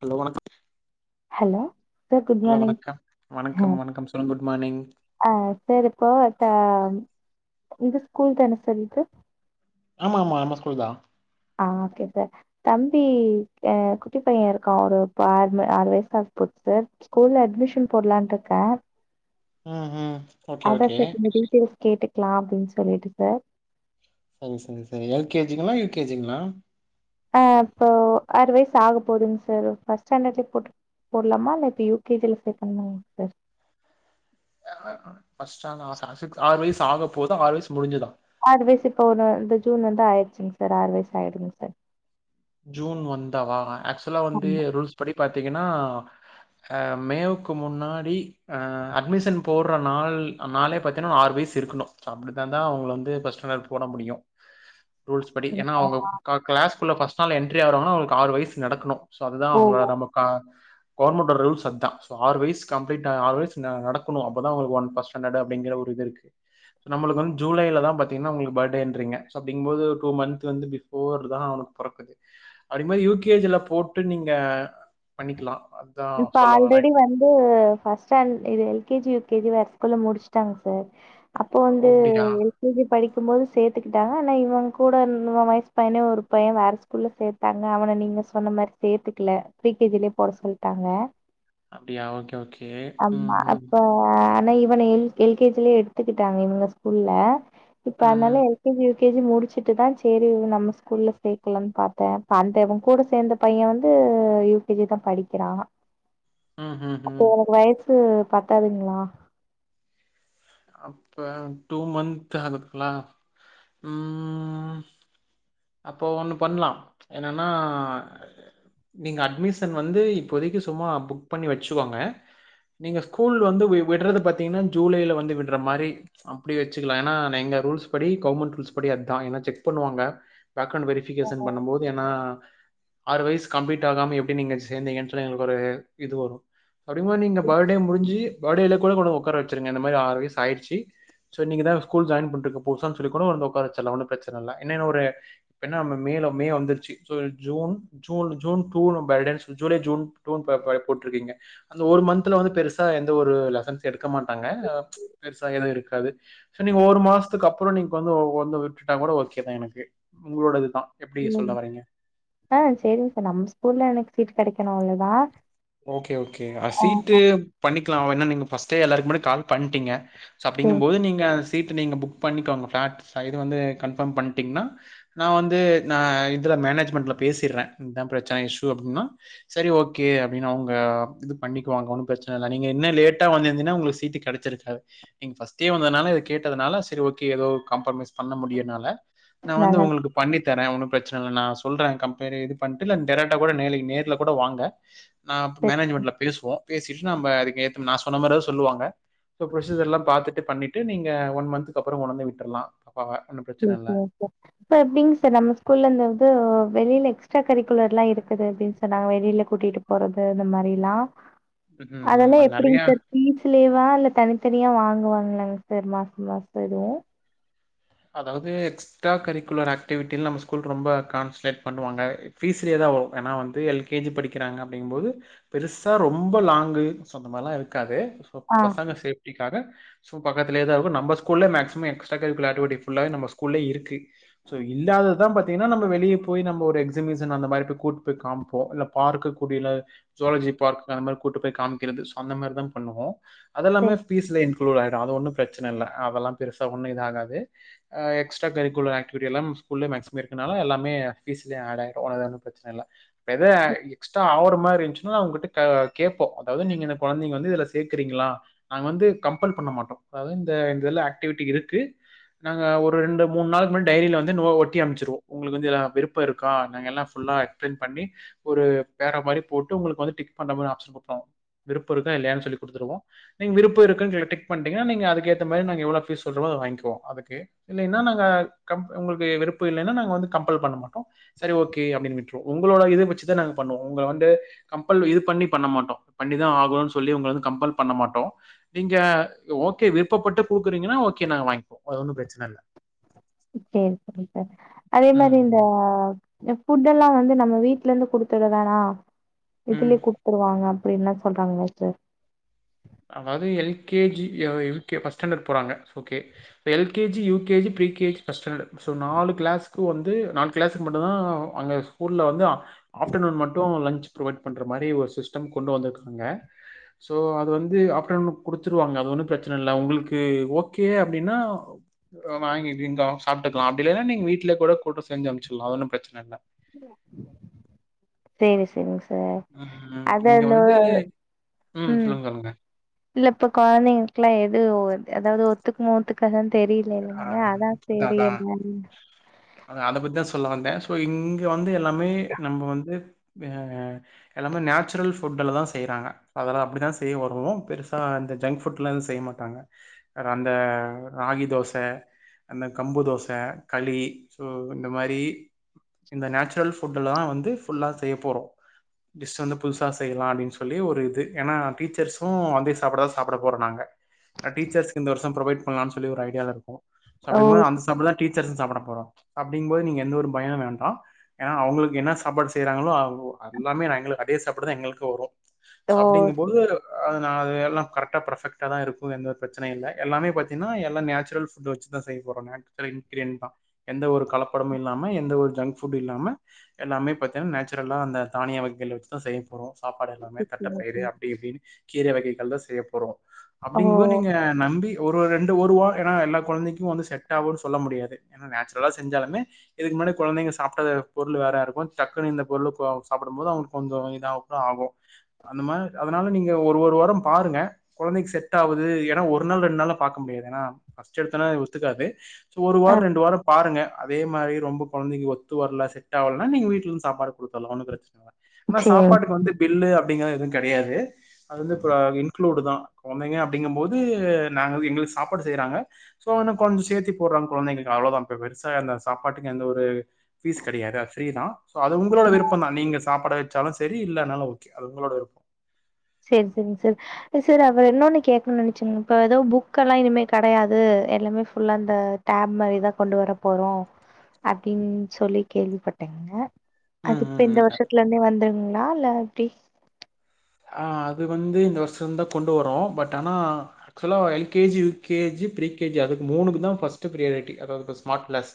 Hello வணக்கம் hello sir good hello வணக்கம் morning வணக்கம் வணக்கம் சொல்லுங்க குட் மார்னிங் ஆஹ் சார் இப்போ ஒங்க ஸ்கூல் தானே சார் இது ஆமா -ஆமா அம்மா ஸ்கூல் தான் கே சார் தம்பி அஹ குட்டி பையன் இருக்கான் ஒரு ஆ ஆறு வயச ஆகு போது சார் ஸ்கூல்ல அட்மிஷன் போடலான்ட்டு இருக்கேன் ம்- ம் ஓகே அதான் -ஓகே சார் கொஞ்சம் டீட்டெயில்ஸ் கேட்டுக்கலாம் அப்படின்னு சொல்லிட்டு சார் சரி -சரி- சரி எல்கேஜிங்களா யூகேஜிங்களா ஆஹ் இப்போ ஆறு வயசு ஆக போகுதுங்க சார் பர்ஸ்ட் ஸ்டாண்டர்ட்ல போட்டு போடலாமா இல்ல இப்ப யுகேஜில சே பண்ணங்க சார் [unintelligible] ஆறு வயசு ஆக போதா ஆறு வயசு முடிஞ்சுதா ஆறு வயசு இப்ப ஒன்னு இந்த ஜூன் வந்து ஆயிடுச்சுங்க சார் ஆறு வயசு ஆயிடுங்க சார் ஜூன் வந்தா வா [unintelligible] ஆக்சுவலா வந்து ஆமா ரூல்ஸ் படி பாத்தீங்கன்னா அ மேவுக்கு முன்னாடி அ அட்மிஷன் போடுற நாள் நாலே பாத்தீங்கன்னா ஆறு வயசு இருக்கணும் அப்டித்தான் தான் அவங்க வந்து ஃபர்ஸ்ட்ஸாண்ட்ட் போட முடியும் ரூல்ஸ் படி ஏன்னா அவங்க க கிளாஸ்குள்ள ஃபர்ஸ்ட் [inaudible] எண்ட்ரி ஆவுராங்களோ அவங்களுக்கு ஆறு வயசு நடக்கணும் சோ அதுதான் அவங்கள ஓ நம்மக்க கவர்மெண்ட்டோட ரூல்ஸ் அதான் சோ ஆறு வயசு கம்ப்ளீட் ஆறு வயசு ந நடக்கணு அப்பதா உங்களுக்கு ஒன் ஃபர் ஸ்ட் ஸாண்ட்டடு அப்டிங்கற ஒரு இது இருக்கு நம்மளுக்கு வந்து ஜூலைலதா பாத்தீங்கன்னா உங்களுக்கு பர்த்டேன்றீங்க சோ அப்டிங்கும்போது டூ மந்த் வந்து பிஃபோர்தா அவனுக் பொறக்குது அப்டிங்கும்போது யூ கே ஜ ல போட்டு நீங்க பண்ணிக்கலா. அதா இப்ப சொல்ல வரே ஆல்ரெடி வந்து் ஃபர்ஸ்ட் டாண்ட் இது L K G U K G வேற ஸ்கூல் முடிச்சட்டாங்க சார் அப்போ ஓ வந்து அப்டியா எல் கே ஜி படிக் இருக்கும் போது சேத்துக்கிட்டாங்க ஆனா இவன் கூட இவ வயசு பையனே ஒரு பைய வேற ஸ்கூல்ல சேத்தாங்க அவன நீங்க சொன்ன மாரி சேத்துக்கல ப்ரீ கே ஜி லயே போட சொல்லி ட்டாங்க அப்டியா ஓகே ஓகே ம் ம் அப்ப ஆனா இவன எல் எல் கே ஜி லயே எடுத்துக்கிட்டாங்க இவங்க ஸ்கூல்ல இப்ப ம் அதனால ம் L K G U U K G முடிச்சுட்டு தான் செரி நம்ம ஸ்கூல்ல சேர்க்கலன்னனு பாத்தேன் அந்தவங்க கூட சேர்ந்த பையன் வந்து யூ கே ஜி தான் படிக்க க்கிறா ஹம் ஹம் ஹம் வயசு பத்தாதங்களா அப்ப டூ மந்த் ஆகுதுங்ளா உம் அப்போ ஒண்ணு பண்லா என்னன்னா நீங்க அட்மிஷன் வந்து இப்போதைக்கு சும்மா புக் பண்ணி வச்சுக்கோங்க நீங்க ஸ்கூல் வந்து வி விட்றது பாத்தீங்கன்னா ஜூலைல வந்து விட்ற மாரி அப்டி வச்சுக்கலா ஏன்னா எங்க ரூல்ஸ் படி கவர்மெண்ட் ரூல்ஸ் படி அதான் ஏன்னா செக் பண்ணுவாங்க பேக்கண்ட் வெரிஃபிகேஷன் பண்ணும்போது ஏன்னா ஆறு வயசு கம்ப்ளீட் ஆகாம எப்டி நீங்க சேந்தீங்கன்னு சொல்லி எங்களுக்கு ஒரு இது வரும் அப்டிங்கும்போது நீங்க பர்த்டே முடிஞ்சு பர்த்டேல கூட கொண்டுபோய் உக்கார வச்சிருங்க இந்த மாரி ஆறு வயசு ஆயிடுச்சி சோ இன்னைக்கிதா ஸ்கூல் ஜாயின் பண்ருக்கு புதுசான்னு சொல்லி கூட கொண்டு வந்து உக்கார வச்சரலாம் ஒன்னும் பிரச்சன இல்ல என்ன இன்னொரு இப்ப என்ன ம மேல மே வந்துருச்சு so June June June two ல நம்ப [unintelligible] ஜூலை ஜூன் டூ ன்னு [unintelligible] போட்ருக்கீங்க அந்த ஒரு மந்த்த்ல வந்து பெருசா எந்த ஒரு லெசன்ஸ் எடுக்க மாட்டாங்க பெருசா எதுவு இருக்காது சோ நீங்க ஒரு மாசத்துக்கு அப்றோ நீங்க கொண்டு வந்து விட்டுட்டா கூட ஓகேதா எனக்கு உங்களோடதுதா உம் ஆஹ் சேரிங்க சார் நம்ம ஸ்கூல்ல எனக்கு சீட் கெடைக்கணு அவ்ளோதா ஓகே ஓகே ஆ சீட்டு ஆமா பண்ணிக்கலா ஏன்னா நீங்க ஃபர்ஸ்ட்டே எல்லாருக்கு முன்னாடி கால் பண்ட்டீங்க சோ சேரி அப்டிங்கும் போது நீங்க சீட்டு நீங்க புக் பண்ணிகேக ஃப்ளாட் சைட்டு வந்து கன்ஃபார்ம் பண்ணிட்டிங்கன்னா நான வந்து நான இதல மேனேஜ்மெண்ல பேசிறேன் இதான் பிரச்சனை இஷ்யூ அப்டின்னா சரி ஓகே அப்டின்னு அவங்க இது பண்ணிக்குவாங்க ஒன்னும் பிரச்சன இல்ல நீங்க இன்னு லேட்டா வந்திருந்தீன்னா உங்களுக்கு சீட்டு கெடைச்சிருக்காது நீங்க ஃபர்ஸ்ட்டே வந்ததுனால இத கேட்டதுனால சரி ஓகே ஏதோ காம்ப்ரமைஸ் பண்ண முடியு என்னால நா வந்து நல்லா உங்களுக்கு பண்ணி தரேன் ஒன்னும் பிரச்சனை இல்ல நான சொல்றேன் கம்பேர் இது பண்ணிட்டு டைரக்டு ஆ கூட நேர்ல கூட வாங்க நா சரி, மேனேஜ்மெண்ட்ல பேசுவோ பேசி ச நம்ப அதுக்கு ஏத்த நா சொன்ன மாரிதா சொல்லுவாங்க எல்லாம் பாத்துட்டு பண்ணிட்டு நீங்க ஒன் மந்த்க்கு அப்புறம் உணர்ந்து விட்டுலாம் ச- ச எப்படிங்க சார் நம்ம ஸ்கூல்ல இருந்தது வெளியில எக்ஸ்ட்ரா கரிக்குலர் எல்லாம் இருக்குது அப்படின்னு சொன்னாங்க வெளியில கூட்டிட்டு போறது இந்த மாதிரி எல்லாம் ம் அதெல்லாம் எப்படிங்க நறையா சார் பீஸ்லேவா தனித்தனியா வாங்குவாங்கலாங்க சார் மாசம் மாசம் எதுவும் அதாவது எக்ஸ்ட்ரா கரிக்குலர் ஆக்டிவிட்டின் நம்ம ஸ்கூல் ரொம்ப கான்சென்ட்ரேட் பண்ணுவாங்க பஃபீஸ்லேதான் வரும் ஏன்னா வந்து எல்கேஜி படிக்கிறாங்க அப்படிும் போோது பெருசா ரொம்ப லாங்கு சொ அந்த மாதிரிிலாம் இருக்காது சோ ஆ பசங்க சேஃப்ட்டிக்காக ச பக்கத்துலேதான் இருக்கும் நம்ப ஸ்கூல்ல எக்ஸ்டா ஃபுல்லாக நம்மஸ்கூலே இருக்குது சோ இல்லாததான் பத்த ஏனா நம்ப வெளிய போய் நம்ம ஒரு எக்ஸிபிஷன் அந்த மாதிரி போய கூட்டு போய் காப்போம் இல்ல பார்க்க கூடிய ஜோலஜி பார்க் அந்த மாரி கூட்டு போய் காமிக்கிறது சொந்த மாரி தான் பண்ணுவோம் அதெல்லாமே சேரி பீஸ்ல இன்க் குளூட அது ஒன்றும் பிரச்சன இல்லை அதெல்லாம் பெருசா ஒன்றும் இதாகாது ஹ எக்ஸ்ட்ரா கரிக்குலர் ஆக்டிவிட்டி எல்ல ்கூல்லே மேகிம் இருக்குதுன எல்லாமே பீஸ்லயே ஆ் ஆிடும்ன ஒும் பிரச்சனை இல்லை த எக்ஸ்ட்ரா ஆவர் கேோம் அத நீ குழந்தை வந்துதுல சேர்கறீங்கள நா வந்து கல் பண்ண மாட்டோம் ஆகிவிி இருக்கு நாங்கள் ஒரு ரெண்டு மூணு நாளுக்கு முன்னா டைரியில வந்து ஒட்டி அமைச்சடுவோம் உங்களுக்குந்துல்லா விருப்ப இருக்க நா எல்லாம் ஃபுல்லாக எக்ஸ்பிளைன் பண்ணி ஒரு பேற மாதிரி போட்டு உங்களுக்கு வ டிக் பண்ணற மாதிரி ஆப்ஷன்டுருோம் விருப்ப இருக்க இல்லன்ன சொல்லி கொடுருவோம் நீங்கள் விருப்பு இருக்குதுனு கே டிக் பிீங்கன்னா நீ அதுக்குற்ற மாதிரி நாங்கள் எவ்வளோ ஃீஸ் சொல்லறோ அதை வாங்கிவோம் அக்கு இல்லைன்னா நாங்க உங்களுக்கு விருப்பம் இல்லைன்னா நாங்க வந்து கம்பல் பண்ண மாட்டோம் சரி ஓகே அப்படின்னு விட்டுருவோம் உங்களோட இத வச்சுதான் நாங்க பண்ணுவோம் உங்க வந்து கம்பல் இது பண்ணி பண்ண மாட்டோம் பண்ணிதான் ஆகணோனு சொல்லி உங்க வந்து கம்பல் பண்ண மாட்டோம் நீங்க ஓகே விருப்பப்பட்டு குடுக்குறீங்கன்னா ஓகே நாங்க வாங்கிப்போம் அது ஒண்ணும் பிரச்சன இல்ல. சரி -சரி -சரி அதே மாதிரி இந்த ம். புபுட் எல்லாம் வந்து நம்ம வீட்ல இருந்து குடுத்துட வேணா ம். இதுலயே குடுத்துருவாங்க அப்படி என்ன சொல்றாங்களா சார் அதாவது ஃபஸ்ட் போறாங்கேஜி யகேஜி பேஜி் நாலுிளா நுிளா மட்டுும்்தான் அங்கஸ ஆப்டர்ூன் மட்டும் லன் பொவைட் பண்ற மாதிரி ஒரு சிஸம் கொண்டு வந்திருக்காங்கோ அது வந்து அ ஒு குடுத்துருவாங்க அது ஒன்னும் பிரச்சனை இல் உங்களுக்கு ஓகே அப்படின்னா் வாங்கிங்க சாப்பிட்டுக்கலாம் அப்படி இல்லைன்னா நீங்க வீட்டுலயே கூட கூட்டம் செஞ்சு அனுச்சிடலாம் அது ஒன்னும் பிரச்சனை இல்ல சரி சரிங்கஸ் ம். அத இங்க வந்து ம். உம் சொல்லுங்க, சொல்லுங்க. இல்லப்ப குழந்தைங்களுக்குல்லாம் எது அதாவது க்கு மோத்து கன் தெரியல ஆ இல்லைங்களா அதான் சரி எல்ல அதான் அத பத்தி தான் சொல்ல வந்தேன் சோ இங்க வந்து எல்லாமே நம்ம வந்து எல்லாமே நேச்சுரல் ஃபுட் எல்லதான் செய்யறாங்க அதெல்லாம் அப்படிதான் செய்ய வருவோம் பெருசா இந்த ஜங்க் ஃபுட் எலாம்வும் செய்ய மாட்டாங்க அந்த ராகி தோசை கம்பு தோசை களி இந்த நேச்சுரல் செய்யறோம் வ புதுசாயாம்ல்லா டீச்சர்ும் அதே சாப்பிடான் சாிடறம் நா ீச்சர் வரும் பனு சொல்ல ஒரு ஐடிய இரு ச ஓ அப்படிபோது அந்த [unintelligible] தான் டீச்சர்ஸ் சாப்பிட போறப்ப அப்பிடிங்போது எந்த ஒரு பயோ வேண்டா ஏனா அவங்களுக்கு என்ன சாப்பாடு செய்றங்களோ அதே சாப்பாடு எங்களுக்கு வரும் சோ ஓ அப்படிங்கும்போது அது அது எல்லாம் கரக்டா பெக்ட தான் இருக்கும்ந்த ஒரு பிரச்சனை இல்ல எல்லாமே பாத்தீங்கன்னா எல்ல நேச்சுரல் வச்ச தான் செய்யறோம் நேச்சுரல் இன்கிர தான் எந்த ஒரு கலப்படம் இல்லாம எந்த ஒரு ஜங்க் பட இல்லாம எல்லாமே பன்னா நேச்சுரலா அந்த தானியம் வகை வச்சிதான் செய் போறோம் சாப்பாடு எல்லாமே தட்டைப்பயிர் அப்படி இப்டின்னு கீரை வகைகள் தான் செய்ய போறோம் ஓ அப்படிங்கும்போது நீங்க நம்பி ஒரு ரெண்டு ஒருவ ஏன்னா எல்லா குழந்தை செட் ஆவுனு சொல்ல முடியாது நேச்சுரலா செஞ்சாலுமேஇதுக்முன்னாடிகுழந்தைங்க சாப்டத பொருத்து வேற இருக்கும் டக்குனு இந்த பொருள் சாப்டும் போது கொஞ்சோ இதாதா ஆகும் அதனால நீங்க ஒரு வாரம் பாருங்க குழை செட்ஆவுது ஒரு நாள் ரெண்டு பாக்க முடியாது ஏற்கனவே ஒத்துக்காது ஒரு ஆ வாரம் ரெண்டு வாரம் பாருங்க அதே மாரி மாதிரி ரொம்ப குழந்தைக்கு ஒத்து வரல செட் ஆவல நீங்க வீட்டுல இருந்து சாப்பாடுத்தலக்கு பிரச்சனை ஆனா சேரி சாப்பாட்டுக்கு வந்து பில்லு அப் எதுவும் கிடையாது அது வந்து தான் குழந்தைங்க அப்படிங்க போது எங்களுக்கு சாப்பாடு செய்றாங்க சோ அவன்னும் கொஞ்சம் சேரத்தி போடுறாங்க குழந்தைங்களுக்கு அவ்வளவுதான் பெருசா அந்த சாப்பாட்டுக்கு எந்த ஒரு பீஸ் கிடையாது பிரீ தான் அது உங்களோட விருப்பம் தான் நீங்க சாப்பாடை வச்சாலும் சரி இல்லலைனாலும் ஓகே அது உங்களோட விருப்பம் சரி சரிங்க சரி சார் அவர் என்னொன்னு கேக்கனும் நினைச்சுங்க இப்ப ஏதோ புக் எல்லாம் இனிமே கிடையாது எல்லாமே புல்லா இந்த டேப் மாதிரிதான் கொண்டு வர போறோம் அப்படின்னு சொல்லி கேள்விப்பட்டேங்க ம் அதுப்ப ம் இந்த ம். வருஷத்துல இருந்தே வந்துருங்களா இல்ல [unintelligible] ஆ அது வந்து இந்த வருஷம் இருந்தான் கொண்டு வரும்ஓம் பட் ஆனால் ஆக்சுவலாக எல்கேஜி யூகேஜி பிரிகேஜி அதுக்கு மூணுக்கு தான் ஃபர்ஸ்ட்டு ப்ரியாரிட்டி அதாவது ஸ்மார்ட் கிளாஸ்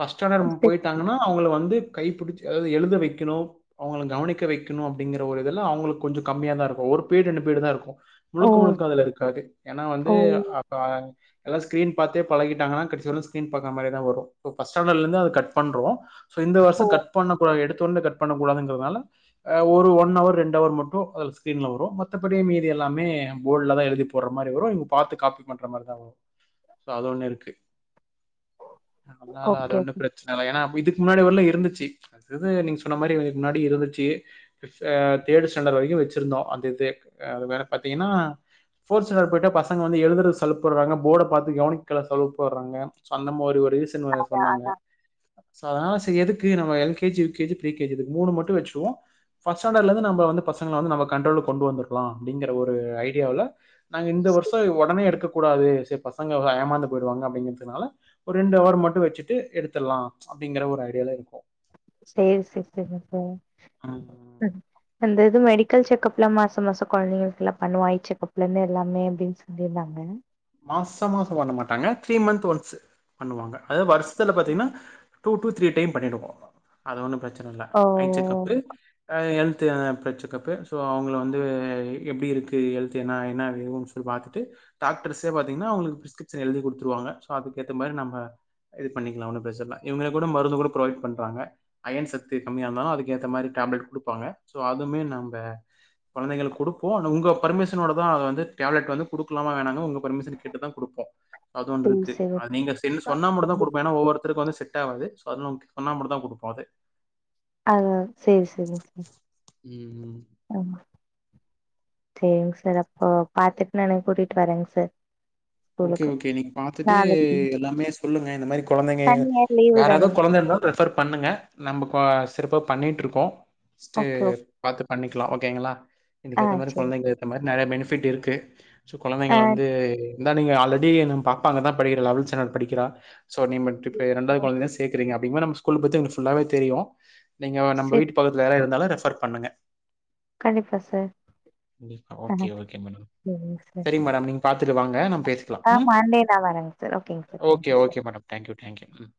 பஃர்ஸ்ட்ஸாண்டர்ட போயிட்டாங்கன்னா அவங்ள வந்து கைப்பிடிச்சி அதாவது எழுத வைக்கணும் அவங்களை கவனிக்க வைக்கணும் அப்படிங்கிற ஒரு இதல்ல அவங்களுக்கு கொஞ்சம் கம்மியா தான் இருக்கும் ஒரு பீடு ரெண்டு பீடு தான் இருக்கும் ஓ முழுக்க முழுக்க அதுல இருக்காது ஏன்னா வந்து ஓ அ எல்லாம்ஸ்கிரீன் பார்த்த பழகிட்டாங்கன்னா கிச்ச ஸ்கீ பாற மாதிரத வரும் பஸாண்ட்டல இருந்து அது கட் பண்றம் இந்த ஓ வருஷம் கட் பண்ண குட எடுத்து தொண்ட கட் பண்ணக்கூடாதுங்கனால ஒரு ஒன் அவர் ரெண்டுடவர் மட்டும் அதுல ஸ்கிரீன்ல வரும் மத்தபடிய மீதி எல்லாமே போர்ட்லதான் எழுதி போடுற மாதிரி வரும் இவங்க பாார்த்து காப்பி பண்ற மாதிரிதான் வரும் சோ அது ஒண்ணு இருக்கு அதனால அது ஓகே ஒண்ணும் பிரச்சனை இல்லை ஏன்னா இதுக்கு முன்னாடி வர இருந்துச்சு அ நீங்க சொன்ன மாதிரி முன்னாடி இருந்துச்சு தேட் ஸ்ண்ட வரைக்கும் வச்சு இருந்தோ அது இது பாத்தீங்கனா ஃபொர்த் செண்டர் போய்டா பசங்க வந்து எழுதுறதுக்கு சலுப் படுறாங்க போட பாத்து கவனிக்கிறதுல சல்ப் படுறாங்க சோ அந்த மாதிரி அப்படினு சொன்னாங்க சோ அதுனால எதுக்கு நம்ம எல்கேஜி ஃபிரிகேஜி மூனு மட்டும் வச்சுக்குவோம் ஃப்ஸ் ஸ்டேன்ட நம வந்து பசங்க வந் நம கண்ட்ரோல கொண்டு வந்திருக்கலாம் அப்படிங்கற ஒரு ஐடியாவுல நாங்க இந்த வருஷம் உடனே எடுக்க கூடாது செரி பசங்க ஏமாந்து போயிடுவாங்க அப்டிங்குறதுனால ஒரு ரெண்டு ஹவர் மட்டோ வெச்சுட்டு எடுத்துடலா அப்டிங்குற ஒரு ஐடியாலயிருக்கோ சேரி செரி செரிங்க இருக்கோம் அந்தயிது மெடிக்கல் செக்கப்லா மாச மாசோ கொழந்தைங்களுக்கெல்லா பண்ணுவோ ஐ செக்கப்லான்னு எல்லாமே அப்டின்னு சொல்லியிருந்தாங்க மாசோ மாசோ பண்ண மாட்டாங்க த்ரீ மந்த் ஒன்ஸ் பண்ணுவாங்க அதாவது வருஷத்துல பாத்தீங்கன்னா டூ டூ த்ரீ டைம் பண்ணிடிவோ அது ஒன்னோ ப்ரெச்சன இல்ல ஓ ஐச்செக்கப்பு ஹெல்த் செக்கப்பு சோ அவங்கல வந்து எப்டியிருக்கு ஹெல்த் என்ன என்ன சொல்லி பாத்துட்டு டாக்டர்ஸ்ஸே பாத்தீங்கன்னா அவுங்களுக்கு பிரிஸ்கிரிப்ட்ஷன் எழுதி குடுத்துடுவாங்க சோ அதுகேத்த மாரி நம்ம இதுவு பண்ணிக்கலா ஒன்னோ பிரெச்சன இவங்க கூட மருந்து கூட ப்ரொவைட் பண்றாங்க ஐயன் சத்து கம்மியா இருந்தாலோ அதுக்கேத்த மாரி டேப்லெட் குடுப்பாங்க சோ அதுமே நம்ம கொழந்தைங்களுக்குடுப்போ உங்க பர்மிஸ்ஸனோடதா வந்து டேப்லெட் வந்து குடுக்கலாமா வேணானு பர்மிஷன் கேட்டுதா குடுப்போ அது சேரி ஒன்றுருக்கு சேரி நீங்க சொன்னா மட்டுதா குடுப்போ ஏன்னா ஒவ்வொருத்த ருக்கு வந்து செட் ஆவாது சோ அது சொன்னா மட்டோதா குடுப்போ அது ஆ சேரி சேரிங்க சார் ம்ம்ம் ஆமா செரிங்க சார் அப்போ பாத்துட்டு நானு கூட்டிட்டு வரேங்க சார் ஓகே ஸ்கூலுக்கு ஓகே இன்னிக்கு பாத்துட்டு நாளைக்கு எல்லாமே சொல்லுங்க இந்த மாரி கொழந்தைங்க சனி ஞாயிறு லீவு வேற எதா தானுங்க கொழந்தயிருந்தா ரெஃபர் பண்ணுங்க நம்ம சிறப்பா பண்ணிட்ருக்கோ பஸ்டு ஓகே ஓகே பாத்து பண்ணிக்கலா ஓகேங்களா இதுக்கு ஆ ஏத்தா மாரி சேரி கொழந்தைங்க ஏத்தா மாரி நெறைய பெனி பிட் இருக்கு ஆ கொழந்தைங்கள வந்து இருந்தாலோ நீங்க ஆல்ரெடி நம்ம பாப்பா அங்கதா படிக்குறா லவல்த் ச்டேண்டட் படிக்கிறா சோ நீ மெட்ரிக்லயிருந்தால் கொழந்தைய சேக்குறீங்க அதிகமா நம்ம ஸ்கூல் பத்தி எனக்கு புல்லாவே தெரியோ நீங்க நம்ம சேரி வீட்டு பக்கத்துல யாரா இருந்தாலோ ரெஃபர் பண்ணுங்க கண்டிப்பா சார் கண்டிப்பா. ஆ ஓகே, செரிங்க சார் பாத்துட்டுவாங்க நம்ம பேசிக்கலா ஆ ம் மண்டே நா வரேங்க சார் ஓகேங்க sir okay thank you sir okay madam thank you thank you ம்